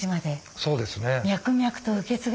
そうですね。